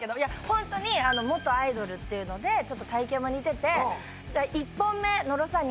ホントに元アイドルっていうのでちょっと体型も似てて１本目野呂さん